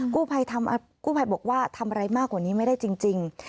กู้ภัยบอกว่าทำอะไรมากกว่านี้ไม่ได้จริง